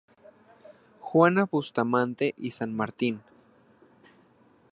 Juana Bustamante y San Martín.